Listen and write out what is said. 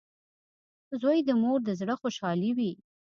• زوی د مور د زړۀ خوشحالي وي.